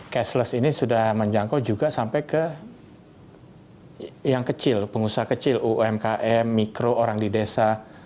cashless ini sudah menjangkau juga sampai ke yang kecil pengusaha kecil umkm mikro orang di desa